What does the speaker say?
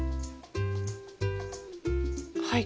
はい。